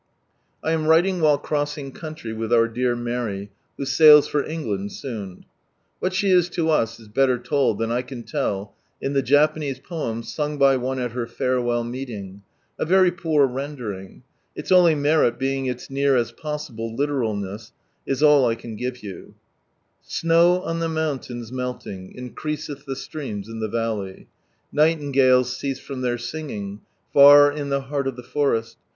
I am writing while crossing country with our dear Mary, who sails for England ■oon. What she is to us is belter told than I can tell in the Japanese poem sung by one at her farewell meeting : a very poor rendering — its only merit being its as near ai possible literal ness— is all I can give you :— Snow on ihe tnououint melting, increaseth Ihe ilieams in the valley, Nighting^itei eeue from their aini^ing, far in ihe heul of tJie foresl.